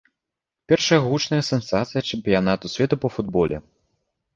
Першая гучная сенсацыя чэмпіянату свету па футболе.